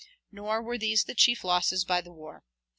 Nor were these the chief losses by the war.